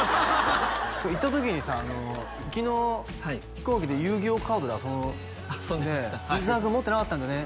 行った時にさ行きの飛行機で遊戯王カードで遊んで藤澤君持ってなかったんだよね